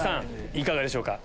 いかがでしょうか？